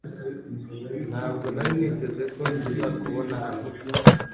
Ntabwo nari niteze ko tuzakubona hano